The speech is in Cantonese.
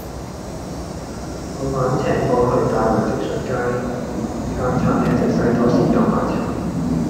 老闆請我去大圍積信街間餐廳食西多士飲奶茶